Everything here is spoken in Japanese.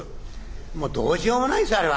もうどうしようもないですよあれは。